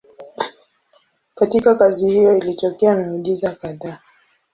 Katika kazi hiyo ilitokea miujiza kadhaa.